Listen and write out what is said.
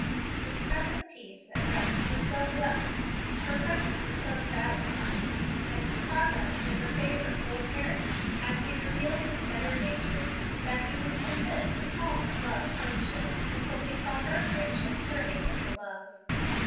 His present peace and rest were so blessed, her presence was so satisfying, and his progress in her favor so apparent as he revealed his better nature, that he was content to call his love friendship until he saw her friendship turning into love.